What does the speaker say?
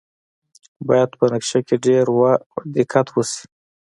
باید په نقشه کې ډیر دقت وشي